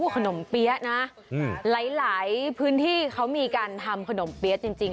ขนมเปี๊ยะนะหลายพื้นที่เขามีการทำขนมเปี๊ยะจริง